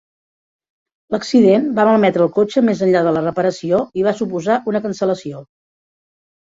L'accident va malmetre el cotxe més enllà de la reparació i va suposar una cancel·lació